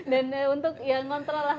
dan untuk yang kontrol lah